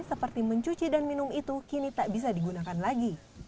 seperti mencuci dan minum itu kini tak bisa digunakan lagi